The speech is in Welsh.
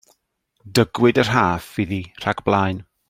Dygwyd y rhaff iddi rhag blaen.